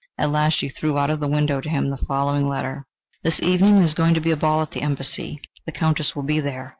At last she threw out of the window to him the following letter: "This evening there is going to be a ball at the Embassy. The Countess will be there.